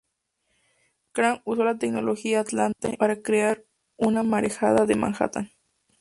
Krang usó la tecnología atlante para crear una marejada en Manhattan.